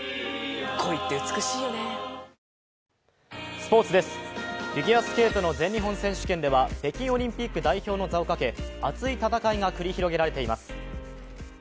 スポーツです、フィギュアスケートの全日本選手権では北京オリンピック代表の座をかけ、熱い戦いが繰り広げられています。